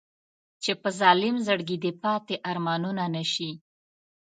چې په ظالم زړګي دې پاتې ارمانونه نه شي.